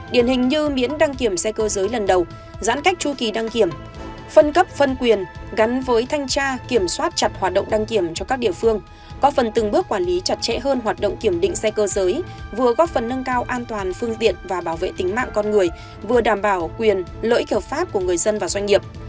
điển hình như miễn đăng kiểm xe cơ giới lần đầu giãn cách tru kỳ đăng kiểm phân cấp phân quyền gắn với thanh tra kiểm soát chặt hoạt động đăng kiểm cho các địa phương có phần từng bước quản lý chặt chẽ hơn hoạt động kiểm định xe cơ giới vừa góp phần nâng cao an toàn phương tiện và bảo vệ tính mạng con người vừa đảm bảo quyền lợi ích hợp pháp của người dân và doanh nghiệp